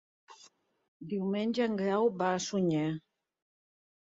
Diumenge en Grau va a Sunyer.